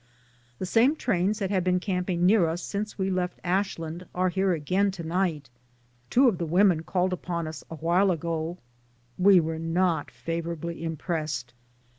The same trains that have been camp ing near us since we left Ashland are here again to night. Two of the women called upon us awhile ago. We were not favorably impressed.